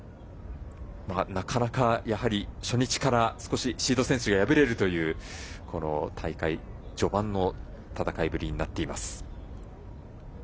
なかなか、初日から少しシード選手が敗れるという大会序盤の戦いぶりになっています。